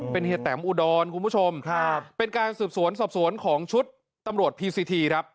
เฮียแตมอุดรคุณผู้ชมครับเป็นการสืบสวนสอบสวนของชุดตำรวจพีซีทีครับ